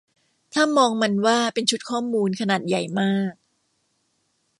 ถ้ามองมันว่าเป็นชุดข้อมูล ขนาดใหญ่มาก